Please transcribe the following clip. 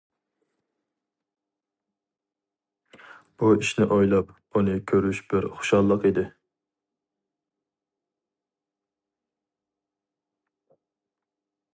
بۇ ئىشنى ئويلاپ ئۇنى كۆرۈش بىر خۇشاللىق ئىدى.